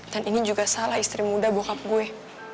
dan ini juga salah istri muda bokap gue